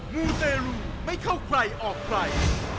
มูเตรลูไม่เข้าใครออกใคร